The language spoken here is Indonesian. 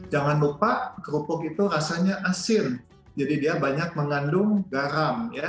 jangan lupa kerupuk itu rasanya asin jadi dia banyak mengandung garam